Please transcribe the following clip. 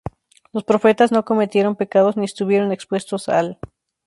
Los profetas no cometieron pecados ni estuvieron expuestos al.